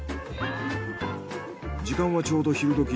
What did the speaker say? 時間はちょうど昼時。